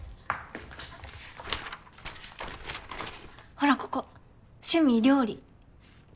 ほらここ趣味料理。